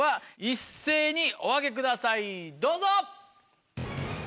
一斉にお上げくださいどうぞ。